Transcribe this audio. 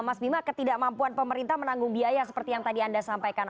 mas bima ketidakmampuan pemerintah menanggung biaya seperti yang tadi anda sampaikan